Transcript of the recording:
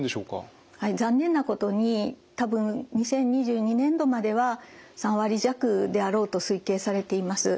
残念なことに多分２０２２年度までは３割弱であろうと推計されています。